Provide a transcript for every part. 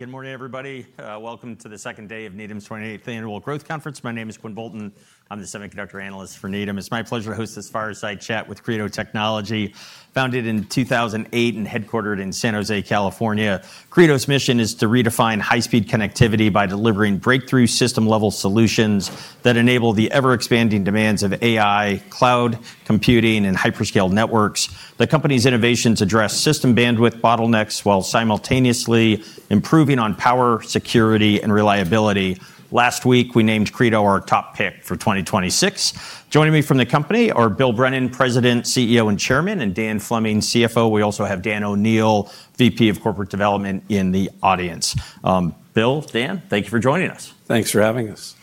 Good morning, everybody. Welcome to the second day of Needham's 28th Annual Growth Conference. My name is Quinn Bolton. I'm the Semiconductor Analyst for Needham. It's my pleasure to host this fireside chat with Credo Technology, founded in 2008 and headquartered in San Jose, California. Credo's mission is to redefine high-speed connectivity by delivering breakthrough system-level solutions that enable the ever-expanding demands of AI, cloud, computing, and hyperscale networks. The company's innovations address system bandwidth bottlenecks while simultaneously improving on power, security, and reliability. Last week, we named Credo our top pick for 2026. Joining me from the company are Bill Brennan, President, CEO, and Chairman, and Dan Fleming, CFO. We also have Dan O'Neil, VP of Corporate Development, in the audience. Bill, Dan, thank you for joining us. Thanks for having us.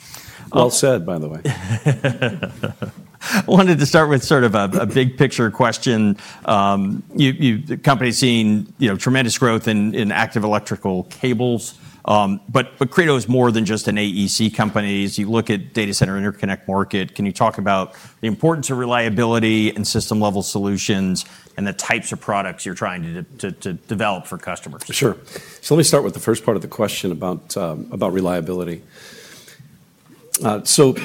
Well said, by the way. I wanted to start with sort of a big-picture question. The company's seen tremendous growth in active electrical cables, but Credo is more than just an AEC company. As you look at the data center interconnect market, can you talk about the importance of reliability and system-level solutions and the types of products you're trying to develop for customers? Sure. So let me start with the first part of the question about reliability. So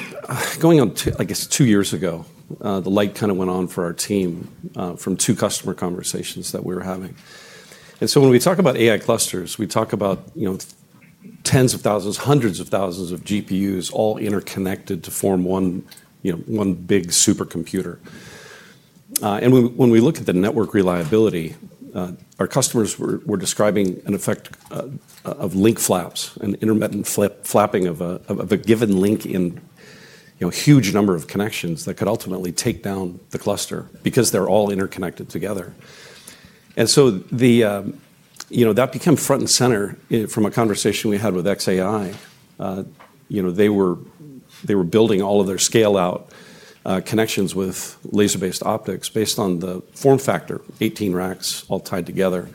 going on, I guess, two years ago, the light kind of went on for our team from two customer conversations that we were having. And so when we talk about AI clusters, we talk about tens of thousands, hundreds of thousands of GPUs all interconnected to form one big supercomputer. And when we look at the network reliability, our customers were describing an effect of link flaps, an intermittent flapping of a given link in a huge number of connections that could ultimately take down the cluster because they're all interconnected together. And so that became front and center from a conversation we had with xAI. They were building all of their scale-out connections with laser-based optics based on the form factor, 18 racks all tied together.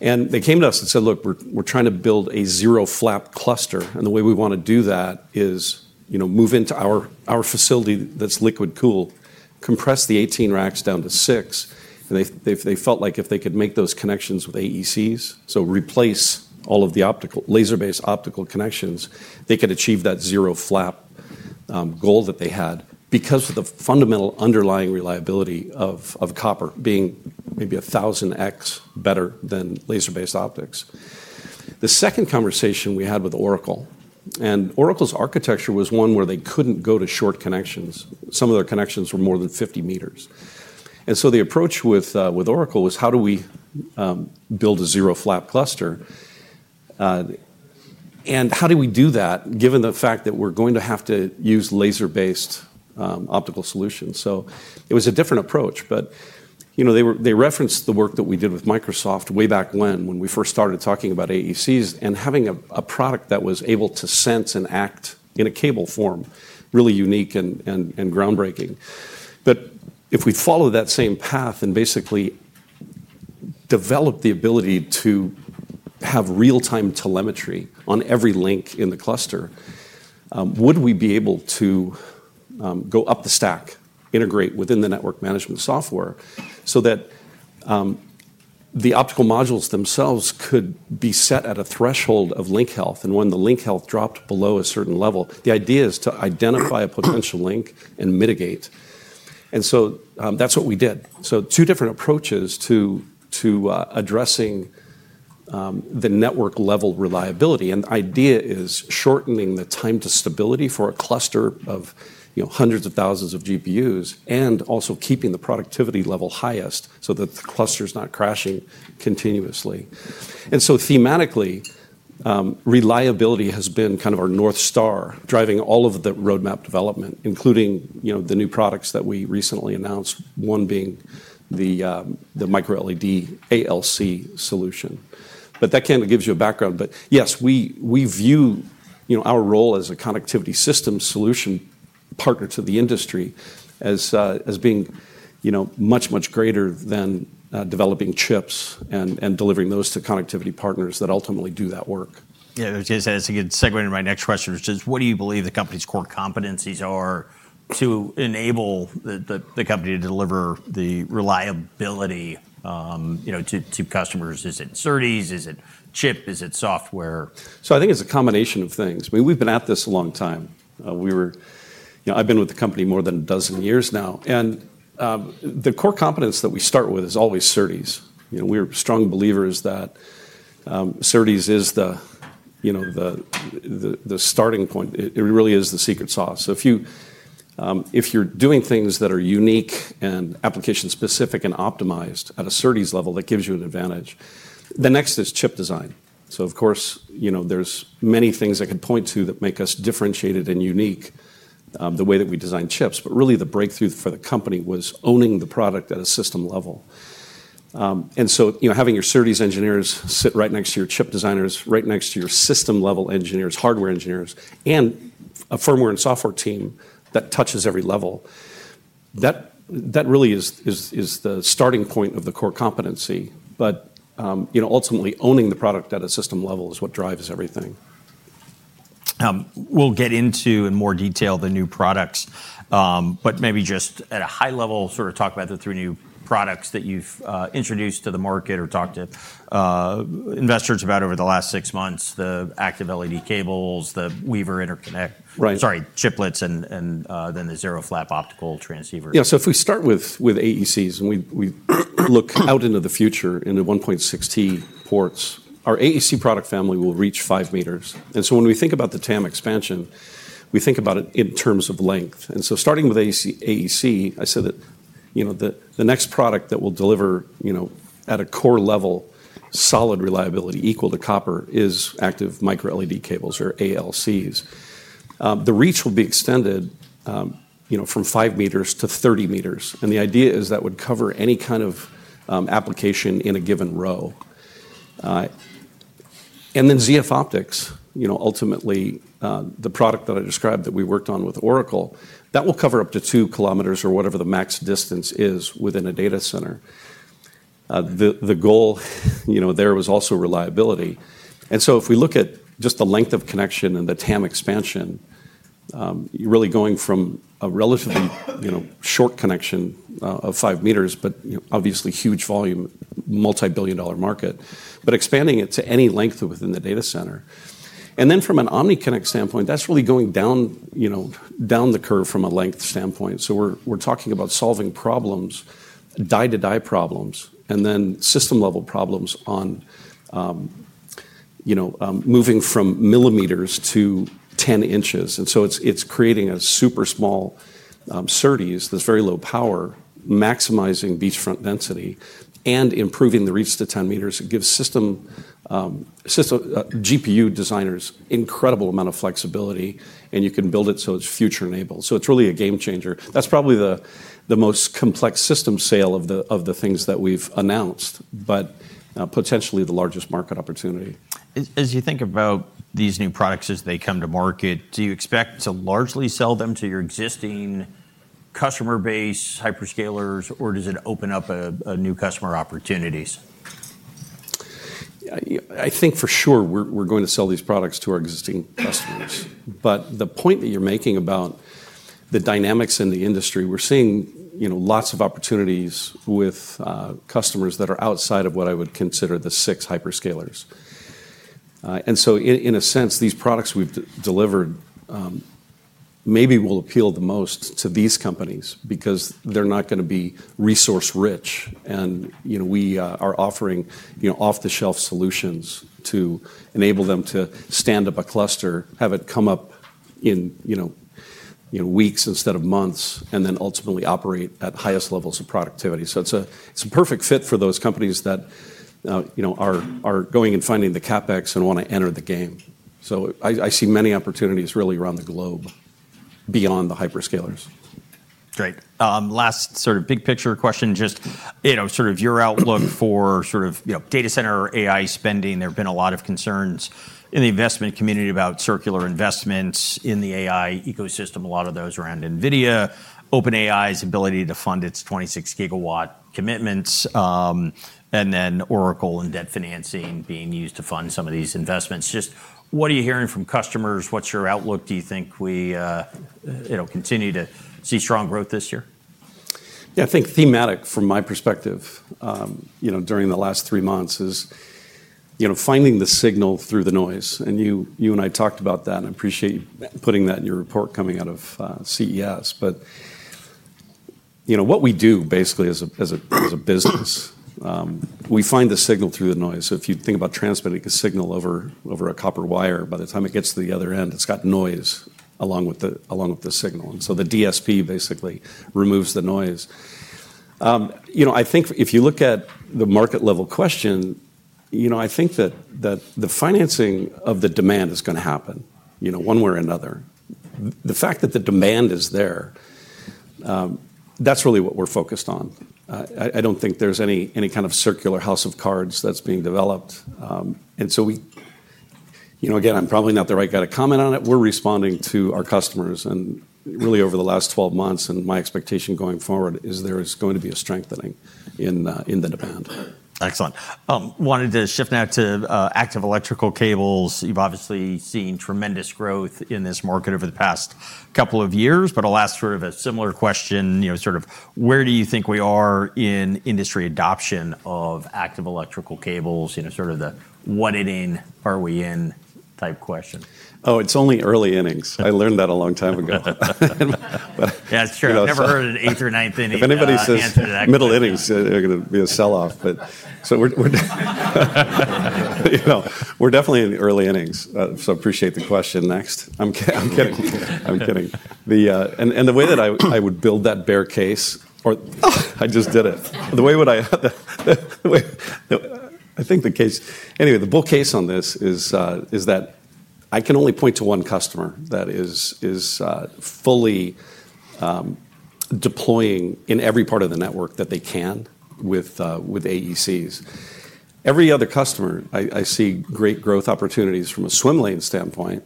And they came to us and said, "Look, we're trying to build a ZeroFlap cluster. And the way we want to do that is move into our facility that's liquid cooled, compress the 18 racks down to six." And they felt like if they could make those connections with AECs, so replace all of the laser-based optical connections, they could achieve that ZeroFlap goal that they had because of the fundamental underlying reliability of copper being maybe 1,000x better than laser-based optics. The second conversation we had with Oracle, and Oracle's architecture was one where they couldn't go to short connections. Some of their connections were more than 50 m. And so the approach with Oracle was, how do we build a ZeroFlap cluster? And how do we do that given the fact that we're going to have to use laser-based optical solutions? So it was a different approach. But they referenced the work that we did with Microsoft way back when we first started talking about AECs and having a product that was able to sense and act in a cable form, really unique and groundbreaking. But if we follow that same path and basically develop the ability to have real-time telemetry on every link in the cluster, would we be able to go up the stack, integrate within the network management software so that the optical modules themselves could be set at a threshold of link health? And when the link health dropped below a certain level, the idea is to identify a potential link and mitigate. And so that's what we did. So two different approaches to addressing the network-level reliability. The idea is shortening the time to stability for a cluster of hundreds of thousands of GPUs and also keeping the productivity level highest so that the cluster's not crashing continuously. So thematically, reliability has been kind of our north star driving all of the roadmap development, including the new products that we recently announced, one being the microLED ALC solution. That kind of gives you a background. Yes, we view our role as a connectivity system solution partner to the industry as being much, much greater than developing chips and delivering those to connectivity partners that ultimately do that work. Yeah, I would say that's a good segue into my next question, which is, what do you believe the company's core competencies are to enable the company to deliver the reliability to customers? Is it SerDes? Is it chip? Is it software? So I think it's a combination of things. I mean, we've been at this a long time. I've been with the company more than a dozen years now. And the core competence that we start with is always SerDes. We are strong believers that SerDes is the starting point. It really is the secret sauce. So if you're doing things that are unique and application-specific and optimized at a SerDes level, that gives you an advantage. The next is chip design. So of course, there's many things I could point to that make us differentiated and unique the way that we design chips. But really, the breakthrough for the company was owning the product at a system level. Having your SerDes engineers sit right next to your chip designers, right next to your system-level engineers, hardware engineers, and a firmware and software team that touches every level, that really is the starting point of the core competency. Ultimately, owning the product at a system level is what drives everything. We'll get into in more detail the new products. But maybe just at a high level, sort of talk about the three new products that you've introduced to the market or talked to investors about over the last six months: the active LED cables, the Weaver interconnect, sorry, chiplets, and then the ZeroFlap Optical Transceivers. Yeah, so if we start with AECs and we look out into the future into 1.6T ports, our AEC product family will reach 5 m. And so when we think about the TAM expansion, we think about it in terms of length. And so starting with AEC, I said that the next product that will deliver at a core level solid reliability equal to copper is active microLED cables or ALCs. The reach will be extended from 5 m-30 m. And the idea is that would cover any kind of application in a given row. And then ZF Optics, ultimately, the product that I described that we worked on with Oracle, that will cover up to 2 km or whatever the max distance is within a data center. The goal there was also reliability. And so if we look at just the length of connection and the TAM expansion, really going from a relatively short connection of 5 m, but obviously huge volume, multi-billion-dollar market, but expanding it to any length within the data center. And then from an OmniConnect standpoint, that's really going down the curve from a length standpoint. So we're talking about solving problems, die-to-die problems, and then system-level problems on moving from millimeters to 10 in. And so it's creating a super small SerDes that's very low power, maximizing beachfront density and improving the reach to 10 m. It gives GPU designers an incredible amount of flexibility. And you can build it so it's future-enabled. So it's really a game changer. That's probably the most complex system sale of the things that we've announced, but potentially the largest market opportunity. As you think about these new products as they come to market, do you expect to largely sell them to your existing customer base, hyperscalers, or does it open up new customer opportunities? I think for sure we're going to sell these products to our existing customers. But the point that you're making about the dynamics in the industry, we're seeing lots of opportunities with customers that are outside of what I would consider the six hyperscalers. And so in a sense, these products we've delivered maybe will appeal the most to these companies because they're not going to be resource-rich. And we are offering off-the-shelf solutions to enable them to stand up a cluster, have it come up in weeks instead of months, and then ultimately operate at highest levels of productivity. So it's a perfect fit for those companies that are going and finding the CapEx and want to enter the game. So I see many opportunities really around the globe beyond the hyperscalers. Great. Last sort of big-picture question, just sort of your outlook for sort of data center AI spending. There have been a lot of concerns in the investment community about circular investments in the AI ecosystem. A lot of those around NVIDIA, OpenAI's ability to fund its 26 GW commitments, and then Oracle and debt financing being used to fund some of these investments. Just what are you hearing from customers? What's your outlook? Do you think we continue to see strong growth this year? Yeah, I think the theme from my perspective during the last three months is finding the signal through the noise, and you and I talked about that. I appreciate you putting that in your report coming out of CES. What we do basically as a business is we find the signal through the noise. If you think about transmitting a signal over a copper wire, by the time it gets to the other end, it's got noise along with the signal, and so the DSP basically removes the noise. If you look at the market-level question, the financing of the demand is going to happen one way or another. The fact that the demand is there. That's really what we're focused on. I don't think there's any kind of circular house of cards that's being developed. So again, I'm probably not the right guy to comment on it. We're responding to our customers. Really over the last 12 months and my expectation going forward is there is going to be a strengthening in the demand. Excellent. Wanted to shift now to active electrical cables. You've obviously seen tremendous growth in this market over the past couple of years. But I'll ask sort of a similar question, sort of where do you think we are in industry adoption of active electrical cables? Sort of the what inning are we in type question? Oh, it's only early innings. I learned that a long time ago. Yeah, that's true. I've never heard an eighth or ninth inning. If anybody says middle innings, they're going to be a sell-off, so we're definitely in the early innings, so I appreciate the question. Next. I'm kidding. I'm kidding, and the way that I would build that bear case, or I just did it. I think the case, anyway, the bull case on this is that I can only point to one customer that is fully deploying in every part of the network that they can with AECs. Every other customer, I see great growth opportunities from a swim lane standpoint.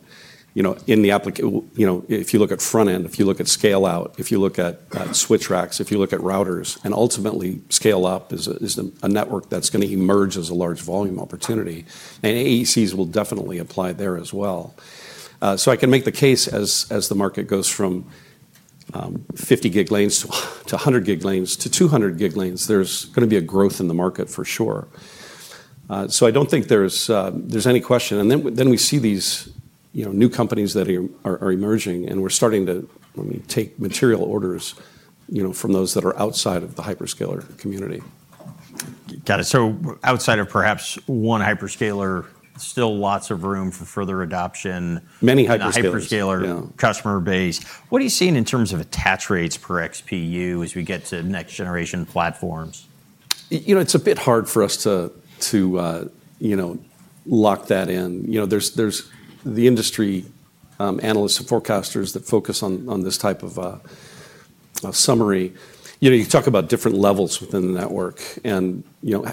If you look at front end, if you look at scale-out, if you look at switch racks, if you look at routers, and ultimately scale-up is a network that's going to emerge as a large volume opportunity, and AECs will definitely apply there as well. I can make the case as the market goes from 50 Gbps lanes to 100 Gbps lanes to 200 Gbps lanes. There's going to be a growth in the market for sure. I don't think there's any question. We see these new companies that are emerging. We're starting to take material orders from those that are outside of the hyperscaler community. Got it. So outside of perhaps one hyperscaler, still lots of room for further adoption. Many hyperscalers. The hyperscaler customer base. What are you seeing in terms of attach rates per XPU as we get to next-generation platforms? It's a bit hard for us to lock that in. There's the industry analysts and forecasters that focus on this type of summary. You talk about different levels within the network and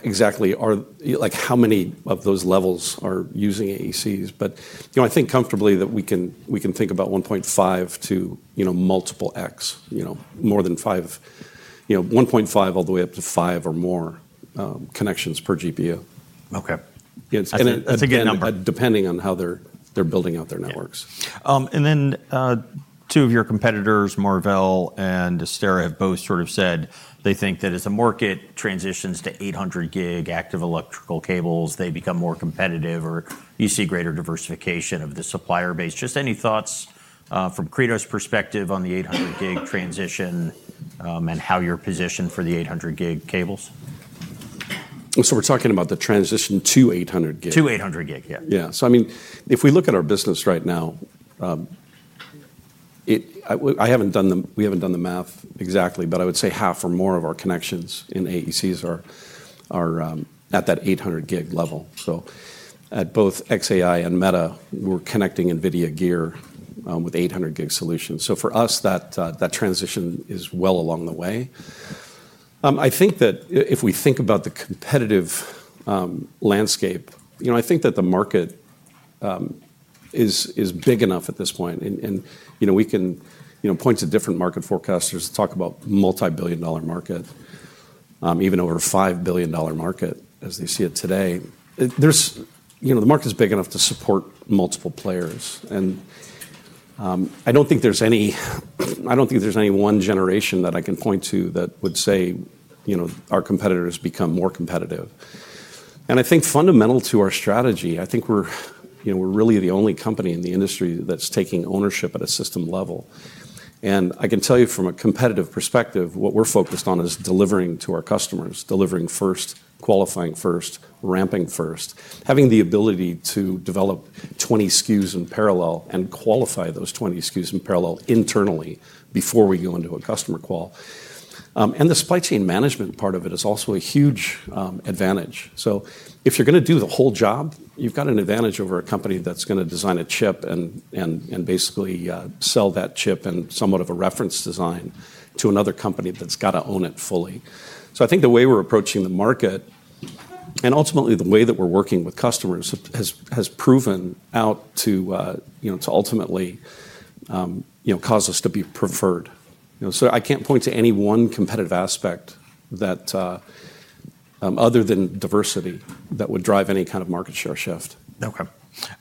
exactly how many of those levels are using AECs. But I think comfortably that we can think about 1.5x to multiple x, more than 5x, 1.5x all the way up to 5x or more connections per GPU. Okay. That's a good number. Depending on how they're building out their networks. And then two of your competitors, Marvell and Astera, have both sort of said they think that as the market transitions to 800 Gbps active electrical cables, they become more competitive or you see greater diversification of the supplier base. Just any thoughts from Credo's perspective on the 800 Gbps transition and how you're positioned for the 800 Gbps cables? So we're talking about the transition to 800 Gbps. To 800 Gbps, yeah. Yeah. So I mean, if we look at our business right now, we haven't done the math exactly, but I would say half or more of our connections in AECs are at that 800 Gbps level. So at both xAI and Meta, we're connecting NVIDIA gear with 800 Gbps solutions. So for us, that transition is well along the way. I think that if we think about the competitive landscape, I think that the market is big enough at this point. And we can point to different market forecasters to talk about multi-billion-dollar market, even over a $5 billion market as they see it today. The market's big enough to support multiple players. And I don't think there's any one generation that I can point to that would say our competitors become more competitive. And I think fundamental to our strategy, I think we're really the only company in the industry that's taking ownership at a system level. And I can tell you from a competitive perspective, what we're focused on is delivering to our customers, delivering first, qualifying first, ramping first, having the ability to develop 20 SKUs in parallel and qualify those 20 SKUs in parallel internally before we go into a customer call. And the supply chain management part of it is also a huge advantage. So if you're going to do the whole job, you've got an advantage over a company that's going to design a chip and basically sell that chip and somewhat of a reference design to another company that's got to own it fully. So I think the way we're approaching the market and ultimately the way that we're working with customers has proven out to ultimately cause us to be preferred. So I can't point to any one competitive aspect other than diversity that would drive any kind of market share shift. Okay.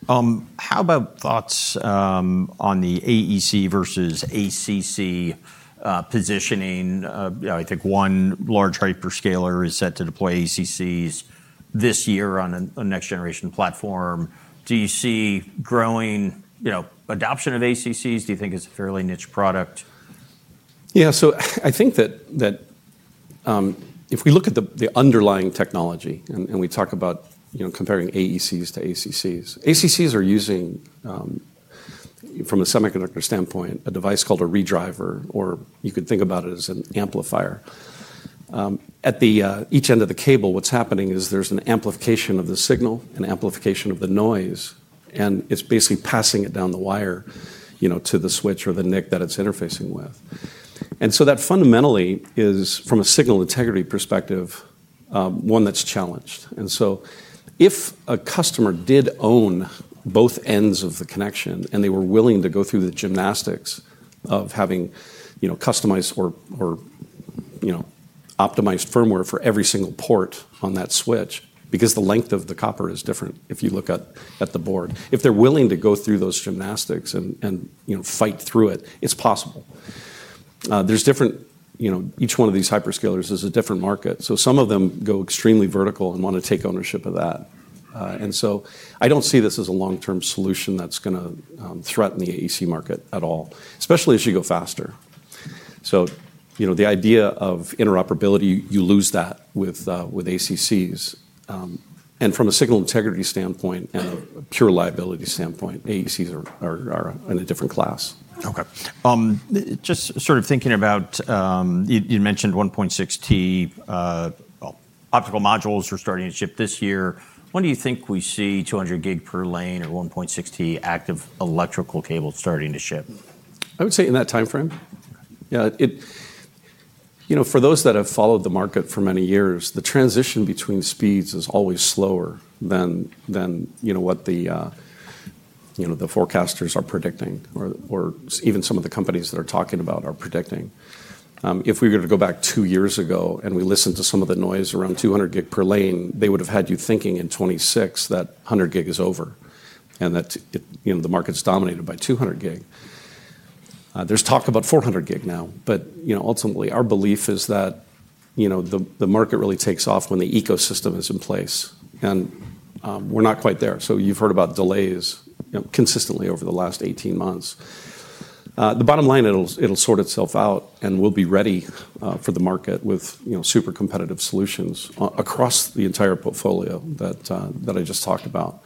How about thoughts on the AEC versus ACC positioning? I think one large hyperscaler is set to deploy ACCs this year on a next-generation platform. Do you see growing adoption of ACCs? Do you think it's a fairly niche product? Yeah. So I think that if we look at the underlying technology and we talk about comparing AECs to ACCs, ACCs are using, from a semiconductor standpoint, a device called a redriver, or you could think about it as an amplifier. At each end of the cable, what's happening is there's an amplification of the signal, an amplification of the noise, and it's basically passing it down the wire to the switch or the NIC that it's interfacing with. And so that fundamentally is, from a signal integrity perspective, one that's challenged. And so if a customer did own both ends of the connection and they were willing to go through the gymnastics of having customized or optimized firmware for every single port on that switch, because the length of the copper is different if you look at the board, if they're willing to go through those gymnastics and fight through it, it's possible. Each one of these hyperscalers is a different market. So some of them go extremely vertical and want to take ownership of that. And so I don't see this as a long-term solution that's going to threaten the AEC market at all, especially as you go faster. So the idea of interoperability, you lose that with ACCs. And from a signal integrity standpoint and a pure liability standpoint, AECs are in a different class. Okay. Just sort of thinking about, you mentioned 1.6T optical modules are starting to ship this year. When do you think we see 200 Gbps per lane or 1.6T active electrical cables starting to ship? I would say in that time frame. For those that have followed the market for many years, the transition between speeds is always slower than what the forecasters are predicting or even some of the companies that are talking about are predicting. If we were to go back two years ago and we listened to some of the noise around 200 Gbps per lane, they would have had you thinking in 2026 that 100 Gbps is over and that the market's dominated by 200 Gbps. There's talk about 400 Gbps now. But ultimately, our belief is that the market really takes off when the ecosystem is in place, and we're not quite there, so you've heard about delays consistently over the last 18 months. The bottom line, it'll sort itself out and we'll be ready for the market with super competitive solutions across the entire portfolio that I just talked about.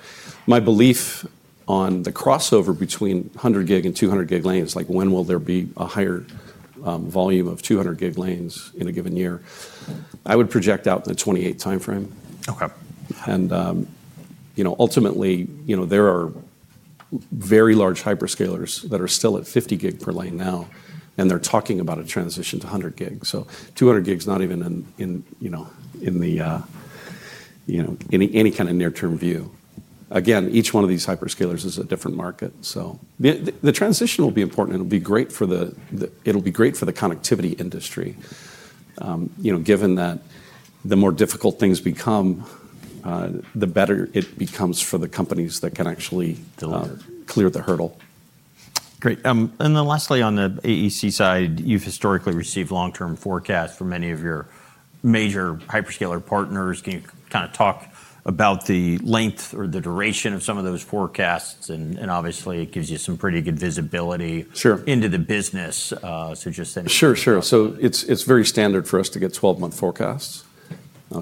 My belief on the crossover between 100 Gbps and 200 Gbps lanes is like, when will there be a higher volume of 200 Gbps lanes in a given year? I would project out in the 2028 time frame, and ultimately, there are very large hyperscalers that are still at 50 Gbps per lane now, and they're talking about a transition to 100 Gbps, so 200 Gbps's not even in any kind of near-term view. Again, each one of these hyperscalers is a different market, so the transition will be important. It'll be great for the connectivity industry, given that the more difficult things become, the better it becomes for the companies that can actually clear the hurdle. Great. And then lastly, on the AEC side, you've historically received long-term forecasts from many of your major hyperscaler partners. Can you kind of talk about the length or the duration of some of those forecasts? And obviously, it gives you some pretty good visibility into the business. So just. Sure, sure. So it's very standard for us to get 12-month forecasts.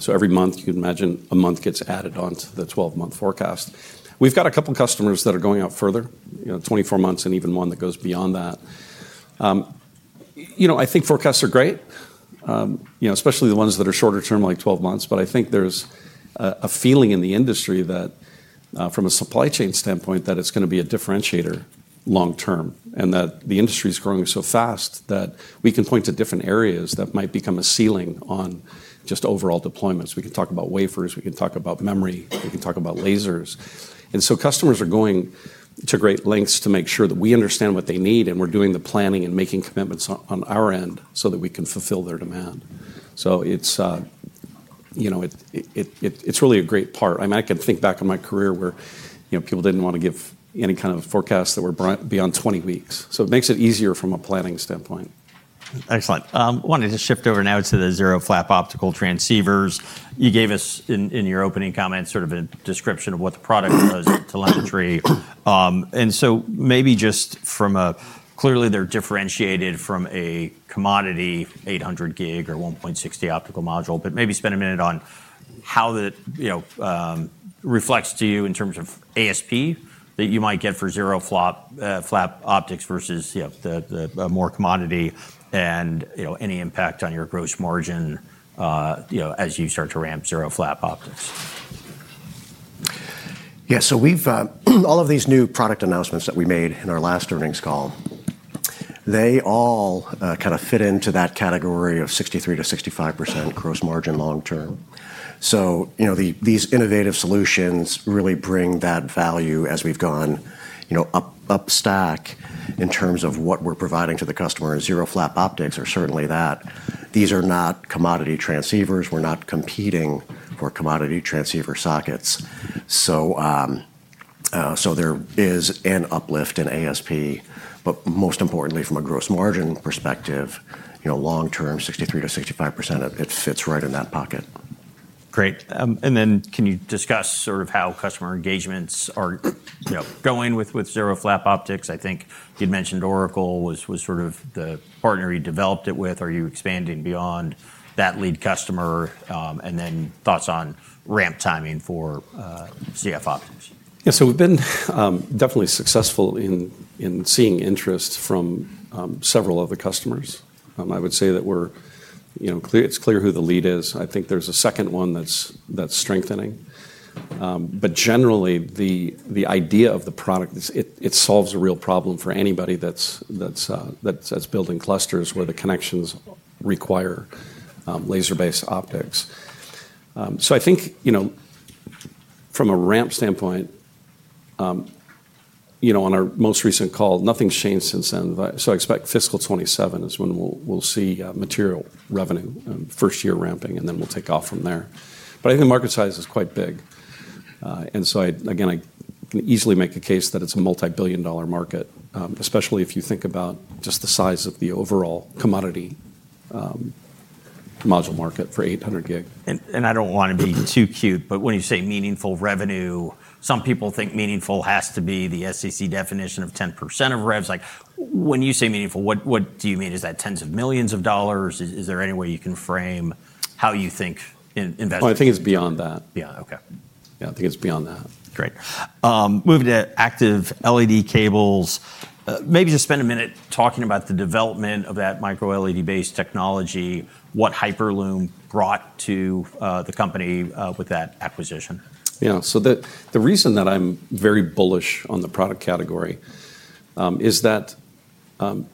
So every month, you can imagine a month gets added onto the 12-month forecast. We've got a couple of customers that are going out further, 24 months and even one that goes beyond that. I think forecasts are great, especially the ones that are shorter term, like 12 months. But I think there's a feeling in the industry that from a supply chain standpoint, that it's going to be a differentiator long term and that the industry's growing so fast that we can point to different areas that might become a ceiling on just overall deployments. We can talk about wafers. We can talk about memory. We can talk about lasers. And so customers are going to great lengths to make sure that we understand what they need and we're doing the planning and making commitments on our end so that we can fulfill their demand. So it's really a great part. I mean, I can think back on my career where people didn't want to give any kind of forecasts that were beyond 20 weeks. So it makes it easier from a planning standpoint. Excellent. I wanted to shift over now to the ZeroFlap Optical Transceivers. You gave us in your opening comments sort of a description of what the product was, telemetry. And so maybe just, clearly, they're differentiated from a commodity 800 Gbps or 1.6T optical module, but maybe spend a minute on how that reflects to you in terms of ASP that you might get for ZeroFlap Optics versus the more commodity and any impact on your gross margin as you start to ramp ZeroFlap Optics. Yeah. So all of these new product announcements that we made in our last earnings call, they all kind of fit into that category of 63%-65% gross margin long term. So these innovative solutions really bring that value as we've gone up stack in terms of what we're providing to the customer. ZeroFlap Optics are certainly that. These are not commodity transceivers. We're not competing for commodity transceiver sockets. So there is an uplift in ASP, but most importantly, from a gross margin perspective, long term, 63%-65%, it fits right in that pocket. Great. And then can you discuss sort of how customer engagements are going with ZeroFlap Optics? I think you'd mentioned Oracle was sort of the partner you developed it with. Are you expanding beyond that lead customer? And then thoughts on ramp timing for ZF Optics? Yeah. So we've been definitely successful in seeing interest from several other customers. I would say that it's clear who the lead is. I think there's a second one that's strengthening. But generally, the idea of the product, it solves a real problem for anybody that's building clusters where the connections require laser-based optics. So I think from a ramp standpoint, on our most recent call, nothing's changed since then. So I expect fiscal 2027 is when we'll see material revenue, first year ramping, and then we'll take off from there. But I think the market size is quite big. And so again, I can easily make a case that it's a multi-billion-dollar market, especially if you think about just the size of the overall commodity module market for 800 Gbps. And I don't want to be too cute, but when you say meaningful revenue, some people think meaningful has to be the SEC definition of 10% of revs. When you say meaningful, what do you mean? Is that tens of millions of dollars? Is there any way you can frame how you think investment? I think it's beyond that. Beyond, okay. Yeah, I think it's beyond that. Great. Moving to active LED cables, maybe just spend a minute talking about the development of that microLED-based technology. What Hyperlume brought to the company with that acquisition? Yeah. So the reason that I'm very bullish on the product category is that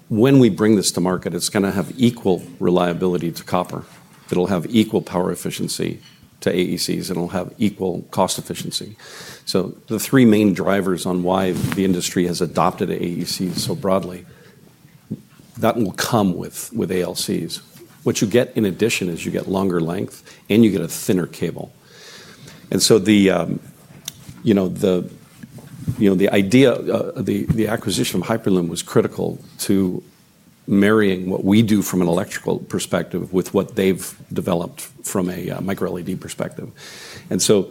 when we bring this to market, it's going to have equal reliability to copper. It'll have equal power efficiency to AECs. It'll have equal cost efficiency. So the three main drivers on why the industry has adopted AECs so broadly, that will come with ALCs. What you get in addition is you get longer length and you get a thinner cable. And so the idea, the acquisition of Hyperlume was critical to marrying what we do from an electrical perspective with what they've developed from a microLED perspective. And so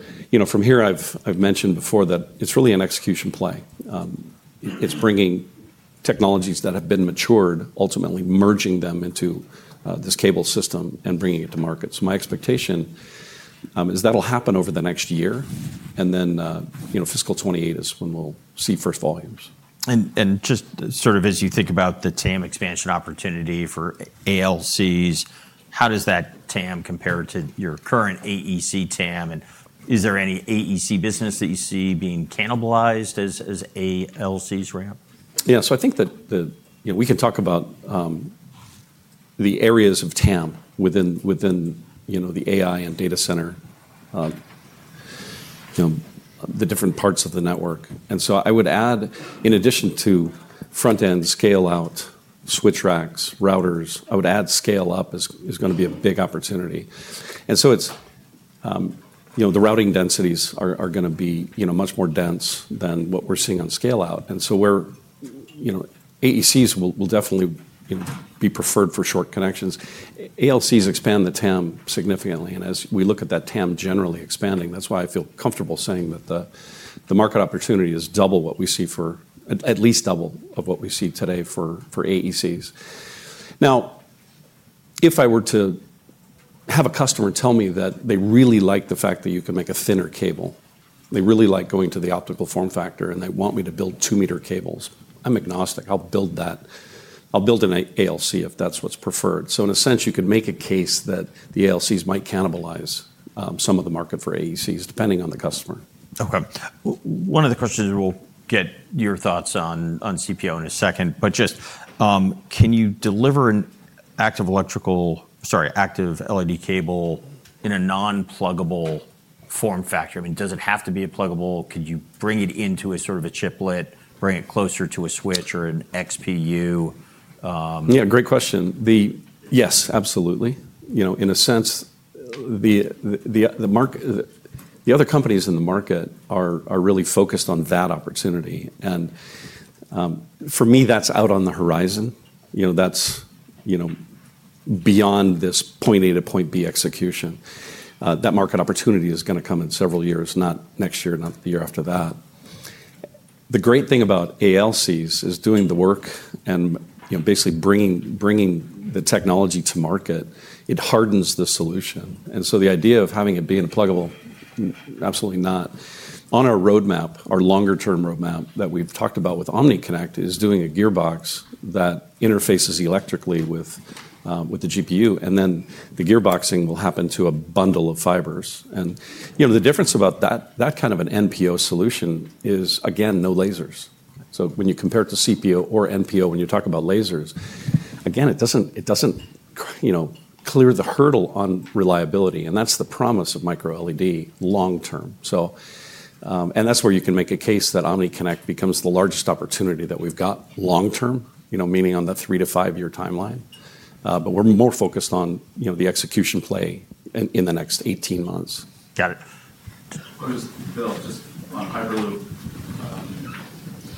from here, I've mentioned before that it's really an execution play. It's bringing technologies that have been matured, ultimately merging them into this cable system and bringing it to market. So my expectation is that'll happen over the next year. Fiscal 2028 is when we'll see first volumes. And just sort of as you think about the TAM expansion opportunity for ALCs, how does that TAM compare to your current AEC TAM? And is there any AEC business that you see being cannibalized as ALCs ramp? Yeah. So I think that we can talk about the areas of TAM within the AI and data center, the different parts of the network, and so I would add, in addition to front-end scale-out switch racks, routers, I would add scale-up is going to be a big opportunity. And so the routing densities are going to be much more dense than what we're seeing on scale-out, and so AECs will definitely be preferred for short connections. ALCs expand the TAM significantly. And as we look at that TAM generally expanding, that's why I feel comfortable saying that the market opportunity is double what we see for, at least double of what we see today for AECs. Now, if I were to have a customer tell me that they really like the fact that you can make a thinner cable, they really like going to the optical form factor, and they want me to build 2 m cables, I'm agnostic. I'll build that. I'll build an ALC if that's what's preferred. So in a sense, you could make a case that the ALCs might cannibalize some of the market for AECs, depending on the customer. Okay. One of the questions we'll get your thoughts on CPO in a second, but just can you deliver an active electrical, sorry, active LED cable in a non-pluggable form factor? I mean, does it have to be a pluggable? Could you bring it into a sort of a chiplet, bring it closer to a switch or an XPU? Yeah, great question. Yes, absolutely. In a sense, the other companies in the market are really focused on that opportunity. And for me, that's out on the horizon. That's beyond this point A to point B execution. That market opportunity is going to come in several years, not next year, not the year after that. The great thing about ALCs is doing the work and basically bringing the technology to market. It hardens the solution. And so the idea of having it be in a pluggable. Absolutely not. On our roadmap, our longer-term roadmap that we've talked about with OmniConnect is doing a gearbox that interfaces electrically with the GPU. And then the gearboxing will happen to a bundle of fibers. And the difference about that kind of an NPO solution is, again, no lasers. So when you compare it to CPO or NPO, when you talk about lasers, again, it doesn't clear the hurdle on reliability. And that's the promise of microLED long term. And that's where you can make a case that OmniConnect becomes the largest opportunity that we've got long term, meaning on the three- to five-year timeline. But we're more focused on the execution play in the next 18 months. Got it. Bill, just on Hyperlume,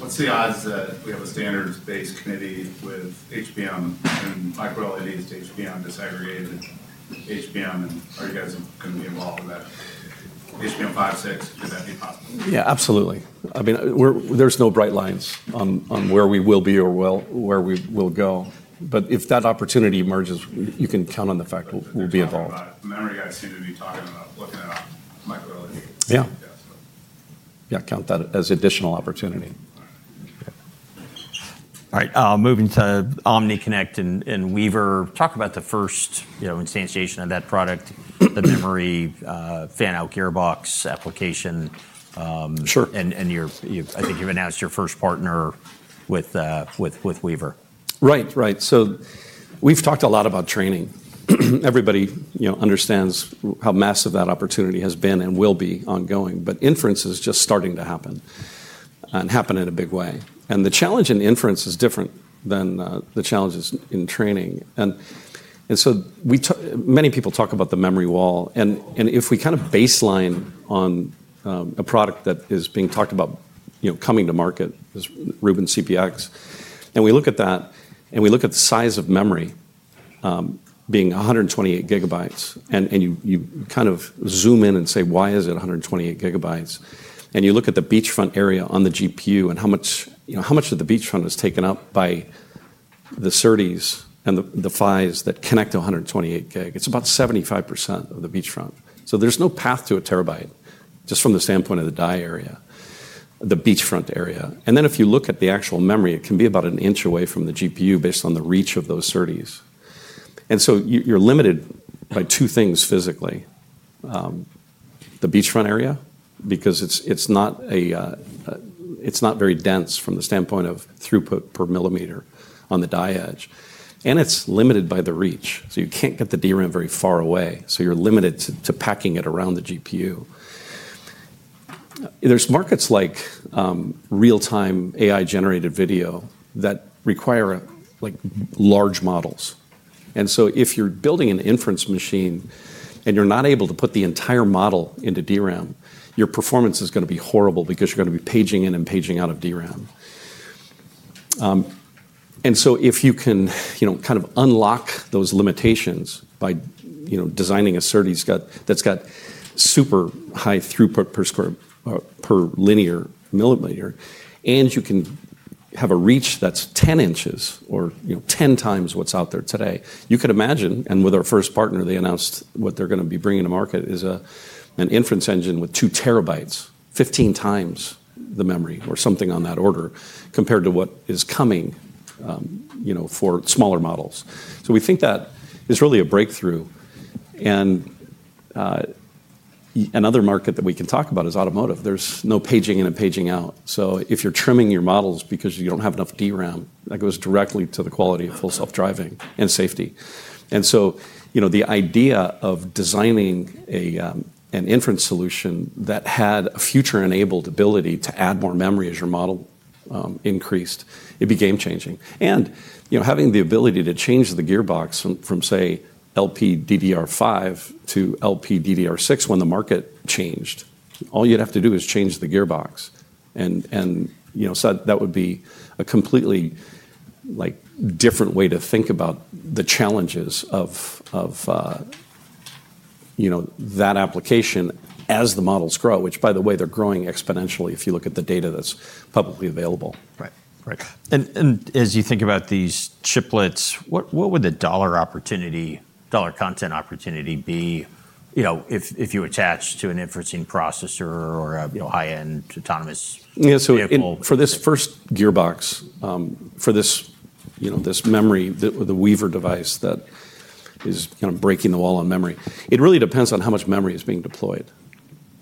what's the odds that we have a standards-based committee with HBM and microLEDs to HBM disaggregated? HBM, and are you guys going to be involved with that? HBM 5, 6, would that be possible? Yeah, absolutely. I mean, there's no bright lines on where we will be or where we will go. But if that opportunity emerges, you can count on the fact we'll be involved. Yeah. Yeah, count that as additional opportunity. All right. Moving to OmniConnect and Weaver, talk about the first instantiation of that product, the memory fan-out gearbox application, and I think you've announced your first partner with Weaver. Right, right. So we've talked a lot about training. Everybody understands how massive that opportunity has been and will be ongoing. But inference is just starting to happen and happen in a big way. And the challenge in inference is different than the challenges in training. And so many people talk about the memory wall. And if we kind of baseline on a product that is being talked about coming to market, this Rubin CPX, and we look at that and we look at the size of memory being 128 GB, and you kind of zoom in and say, why is it 128 GB? And you look at the beachfront area on the GPU and how much of the beachfront is taken up by the SerDes and the PHYs that connect to 128 Gbps. It's about 75% of the beachfront. There's no path to 1 TB just from the standpoint of the die area, the beachfront area. And then if you look at the actual memory, it can be about an inch away from the GPU based on the reach of those SerDes. And so you're limited by two things physically, the beachfront area, because it's not very dense from the standpoint of throughput per millimeter on the die edge. And it's limited by the reach. So you can't get the DRAM very far away. So you're limited to packing it around the GPU. There's markets like real-time AI-generated video that require large models. And so if you're building an inference machine and you're not able to put the entire model into DRAM, your performance is going to be horrible because you're going to be paging in and paging out of DRAM. And so if you can kind of unlock those limitations by designing a SerDes that's got super high throughput per linear millimeter, and you can have a reach that's 10 in or 10x what's out there today, you could imagine, and with our first partner, they announced what they're going to be bringing to market is an inference engine with 2 TB, 15x the memory or something on that order compared to what is coming for smaller models. So we think that is really a breakthrough. And another market that we can talk about is automotive. There's no paging in and paging out. So if you're trimming your models because you don't have enough DRAM, that goes directly to the quality of full self-driving and safety. The idea of designing an inference solution that had a future-enabled ability to add more memory as your model increased, it'd be game-changing. Having the ability to change the gearbox from, say, LPDDR5 to LPDDR6 when the market changed, all you'd have to do is change the gearbox. That would be a completely different way to think about the challenges of that application as the models grow, which, by the way, they're growing exponentially if you look at the data that's publicly available. Right, right. And as you think about these chiplets, what would the dollar opportunity, dollar content opportunity be if you attach to an inferencing processor or a high-end autonomous? Yeah. So for this first gearbox, for this memory, the Weaver device that is kind of breaking the wall on memory, it really depends on how much memory is being deployed.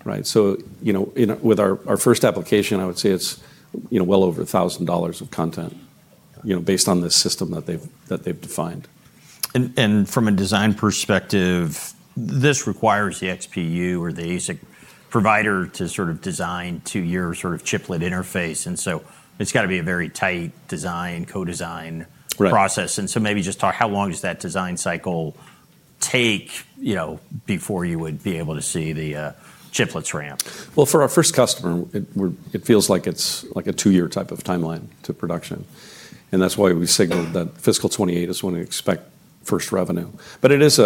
Right? So with our first application, I would say it's well over $1,000 of content based on this system that they've defined. From a design perspective, this requires the XPU or the ASIC provider to sort of design to your sort of chiplet interface. And so it's got to be a very tight design, co-design process. And so maybe just talk how long does that design cycle take before you would be able to see the chiplets ramp? For our first customer, it feels like it's like a two-year type of timeline to production. That's why we signaled that fiscal 2028 is when we expect first revenue. It is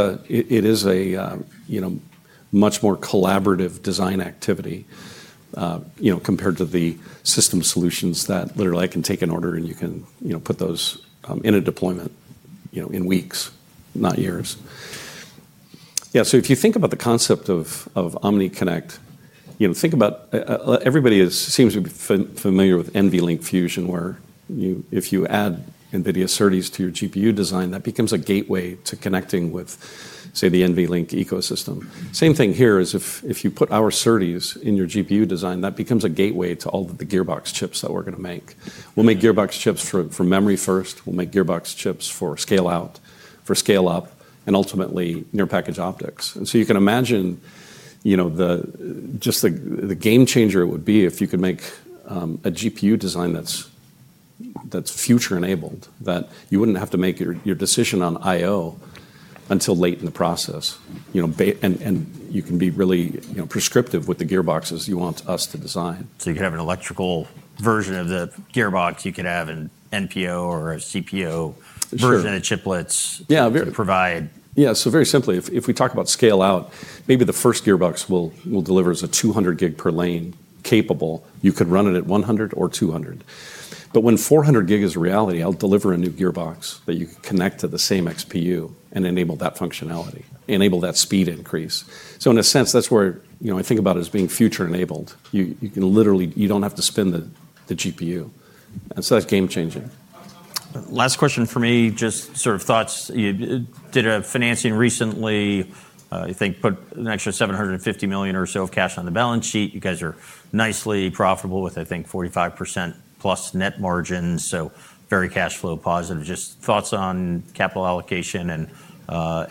a much more collaborative design activity compared to the system solutions that literally I can take an order and you can put those in a deployment in weeks, not years. Yeah. If you think about the concept of OmniConnect, think about everybody seems to be familiar with NVLink Fusion, where if you add NVIDIA SerDes to your GPU design, that becomes a gateway to connecting with, say, the NVLink ecosystem. Same thing here is if you put our SerDes in your GPU design, that becomes a gateway to all the gearbox chips that we're going to make. We'll make gearbox chips for memory first. We'll make gearbox chips for scale-out, for scale-up, and ultimately near-packaged optics. And so you can imagine just the game changer it would be if you could make a GPU design that's future-enabled, that you wouldn't have to make your decision on I/O until late in the process. And you can be really prescriptive with the gearboxes you want us to design. So you could have an electrical version of the gearbox. You could have an NPO or a CPO version of the chiplets provide. Yeah. So very simply, if we talk about scale-out, maybe the first gearbox we'll deliver is a 200 Gbps per lane capable. You could run it at 100 or 200, but when 400 Gbps is a reality, I'll deliver a new gearbox that you can connect to the same XPU and enable that functionality, enable that speed increase, so in a sense, that's where I think about it as being future-enabled. You don't have to spin the GPU, and so that's game-changing. Last question for me, just sort of thoughts. You did a financing recently, I think put an extra $750 million or so of cash on the balance sheet. You guys are nicely profitable with, I think, 45%+ net margins. So very cash flow positive. Just thoughts on capital allocation and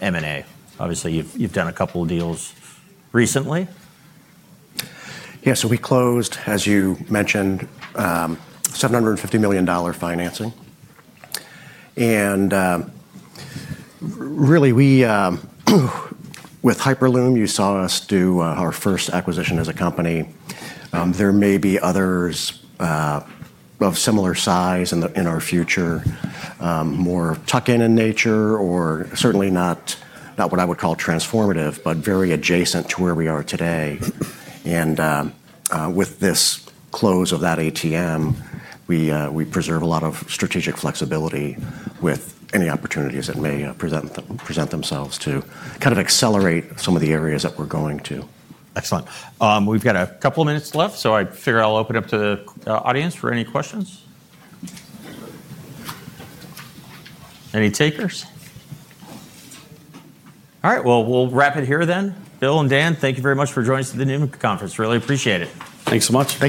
M&A. Obviously, you've done a couple of deals recently. Yeah. So we closed, as you mentioned, $750 million financing. And really, with Hyperlume, you saw us do our first acquisition as a company. There may be others of similar size in our future, more tuck-in in nature or certainly not what I would call transformative, but very adjacent to where we are today. And with this close of that ATM, we preserve a lot of strategic flexibility with any opportunities that may present themselves to kind of accelerate some of the areas that we're going to. Excellent. We've got a couple of minutes left. So I figure I'll open up to the audience for any questions. Any takers? All right. Well, we'll wrap it here then. Bill and Dan, thank you very much for joining us at the Needham conference. Really appreciate it. Thanks so much.